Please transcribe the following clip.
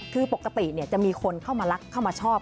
คือปกติจะมีคนเข้ามารักเข้ามาชอบ